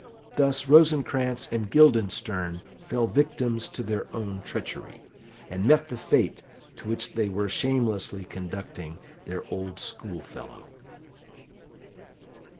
Thus Rosencrantz and Guildenstern fell victims to their own treachery, and met the fate to which they were shamelessly conducting their old schoolfellow.